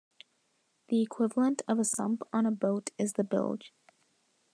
The equivalent of a sump on a boat is the bilge.